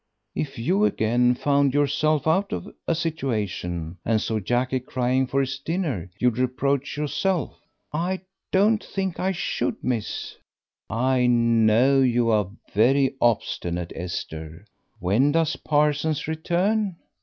"If you again found yourself out of a situation, and saw Jackie crying for his dinner, you'd reproach yourself." "I don't think I should, miss." "I know you are very obstinate, Esther. When does Parsons return?"